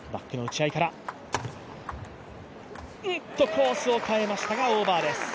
コースを変えましたがオーバーです。